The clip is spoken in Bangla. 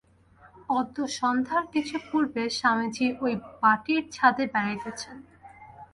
অদ্য সন্ধ্যার কিছু পূর্বে স্বামীজী ঐ বাটীর ছাদে বেড়াইতেছেন।